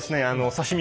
刺身。